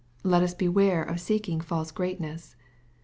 Let us beware of seeking false greatness.